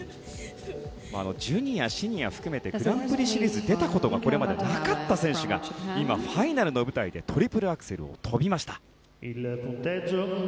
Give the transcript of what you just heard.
ジュニア、シニアを含めてグランプリシリーズに出たことがこれまでなかった選手が今、ファイナルの舞台でトリプルアクセルを跳びました。